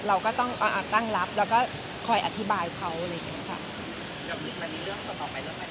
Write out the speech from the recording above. เราก็ต้องตั้งรับแล้วก็คอยอธิบายเขาอะไรอย่างนี้ค่ะ